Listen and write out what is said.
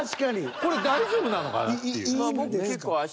これ大丈夫なのかなっていう。